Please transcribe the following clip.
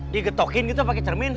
digetokin gitu pakai cermin